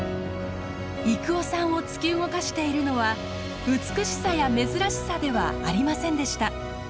征夫さんを突き動かしているのは美しさや珍しさではありませんでした。